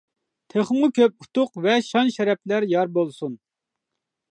تېخىمۇ كۆپ ئۇتۇق ۋە شان-شەرەپلەر يار بولسۇن!